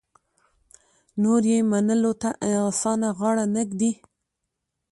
نور یې منلو ته اسانه غاړه نه ږدي.